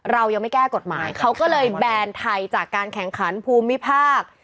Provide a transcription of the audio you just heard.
เรายังไม่แก้กฎหมายเขาก็เลยแบนไทยจากการแข่งขันภูมิภาค